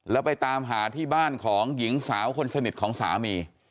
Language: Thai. แล้วไปตามหาที่บ้านของหญิงสาวคนสนิทของสามี